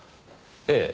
ええ。